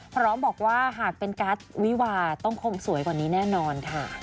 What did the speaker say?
พร้อมบอกว่าหากเป็นการ์ดวิวาต้องคงสวยกว่านี้แน่นอนค่ะ